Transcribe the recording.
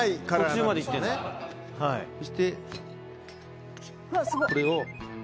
そしてこれを。